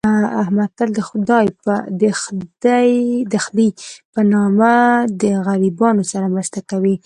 احمد تل دخدی په نامه د غریبانو سره مرسته کوي.